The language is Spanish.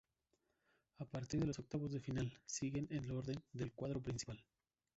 A partir de los octavos de final, siguen el orden del cuadro principal.